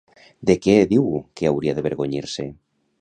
De què diu que hauria d'avergonyir-se?